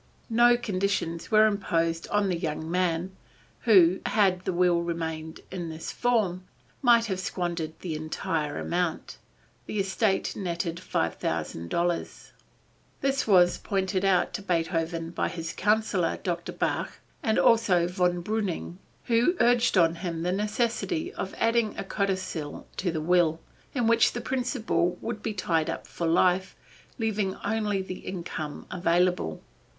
No conditions were imposed on the young man, who, had the will remained in this form, might have squandered the entire amount. (The estate netted $5000). This was pointed out to Beethoven by his counsellor, Dr. Bach, and also Von Breuning, who urged on him the necessity of adding a codicil to the will, in which the principal would be tied up for life, leaving only the income available.